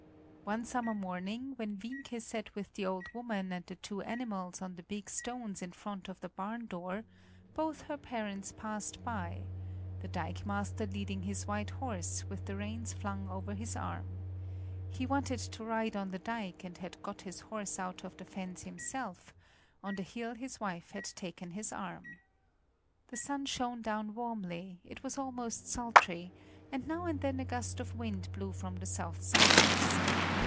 One summer morning, when Wienke sat with the old woman and the two animals on the big stones in front of the barn door, both her parents passed by the dikemaster leading his white horse, with the reins flung over his arm. He wanted to ride on the dike and had got his horse out of the fens himself; on the hill his wife had taken his arm. The sun shone down warmly; it was almost sultry, and now and then a gust of wind blew from the south southeast.